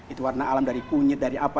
itu warna alam dari kunyit dari apa